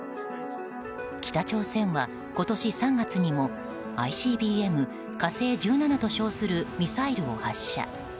北朝鮮は今年３月にもＩＣＢＭ「火星１７」と称するミサイルを発射。